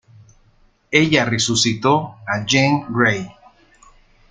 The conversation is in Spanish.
Ella resucitó a Jean Grey.